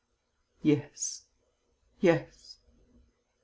"Yes, yes...."